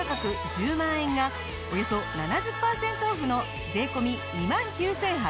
１０万円がおよそ７０パーセントオフの税込２万９８００円。